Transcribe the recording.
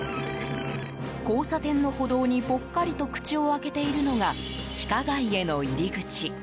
交差点の歩道にぽっかりと口を開けているのが地下街への入り口。